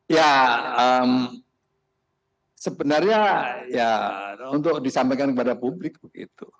ya sebenarnya ya untuk disampaikan kepada publik begitu